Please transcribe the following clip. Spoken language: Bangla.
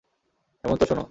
হেমন্ত, শোন।